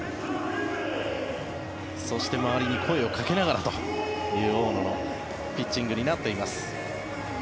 そして、周りに声をかけながらという大野のピッチングになっています。